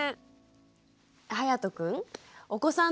はやとくん